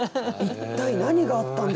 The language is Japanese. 一体何があったんですか。